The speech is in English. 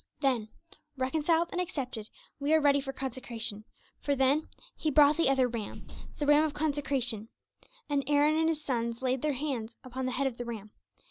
Then, reconciled and accepted, we are ready for consecration; for then 'he brought the other ram; the ram of consecration; and Aaron and his sons laid their hands upon the head of the ram.'